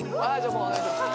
もうお願いします